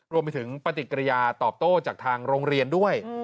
รวมไปถึงปฏิกิริยาตอบโต้จากทางโรงเรียนด้วย